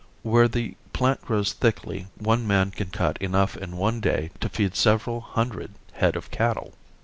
Where the plant grows thickly one man can cut enough in one day to feed several hundred head of cattle.